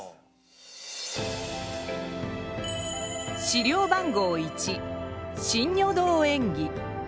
資料番号１真如堂縁起。